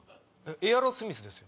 エアロスミスですよ。